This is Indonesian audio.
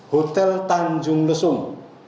hotel tanjung lesung